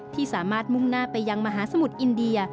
ที่สามารถมุ่งหน้าไปยังมหาสมุทรอินเดีย